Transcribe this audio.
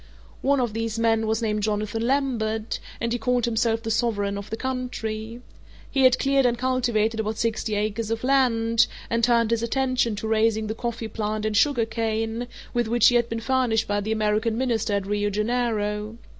One of these men was named Jonathan Lambert, and he called himself the sovereign of the country. He had cleared and cultivated about sixty acres of land, and turned his attention to raising the coffee plant and sugar cane, with which he had been furnished by the American Minister at Rio Janeiro.